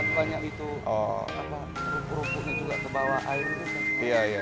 banyak itu rumput rumputnya juga ke bawah airnya